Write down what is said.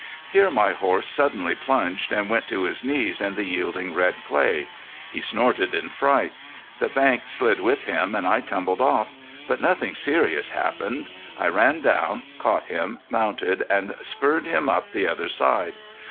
Here my horse suddenly plunged and went to his knees in the yielding red clay. He snorted in fright. The bank slid with him and I tumbled off. But nothing serious happened. I ran down, caught him, mounted, and spurred him up the other side.